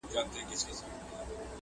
o يوه مور خرڅوله، بل په پور غوښتله٫